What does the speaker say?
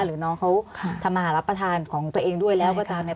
หรือน้องเขาทำมาหารับประทานของตัวเองด้วยแล้วก็ตามเนี่ย